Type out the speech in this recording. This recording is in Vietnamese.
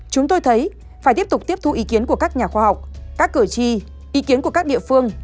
chúng tôi thấy phải tiếp tục tiếp thu ý kiến của các nhà khoa học các cử tri ý kiến của các địa phương